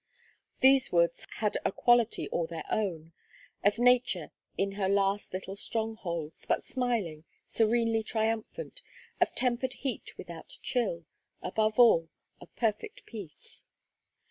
These woods had a quality all their own: of Nature in her last little strongholds, but smiling, serenely triumphant, of tempered heat without chill, above all, of perfect peace.